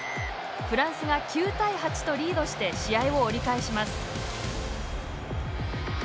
フランスが９対８とリードして試合を折り返します